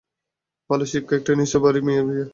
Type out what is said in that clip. ভালো শিক্ষা, একটা নিজস্ব বাড়ি, মেয়ের বিয়ে।